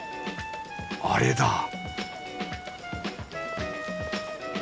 あれだ！